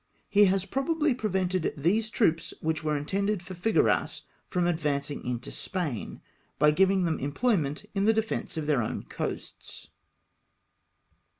He has probably prevented tJtese troops which ivere intended for Figueras frora advancing into Spain, by giving them employment in the defence of their otvn coasts.